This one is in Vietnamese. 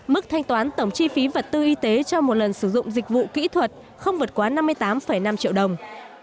mức thanh toán tổng chi phí vật tư y tế cho một lần sử dụng dịch vụ kỹ thuật không vượt quá năm mươi tám năm triệu đồng